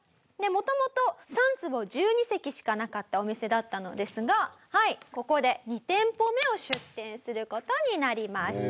元々３坪１２席しかなかったお店だったのですがはいここで２店舗目を出店する事になりました。